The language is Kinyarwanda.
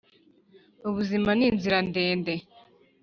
ubuzima ni inzira ndende